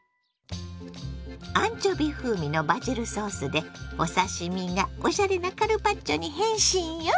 アンチョビ風味のバジルソースでお刺身がおしゃれなカルパッチョに変身よ！